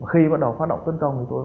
khi bắt đầu phát động tấn công